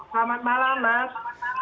selamat malam mas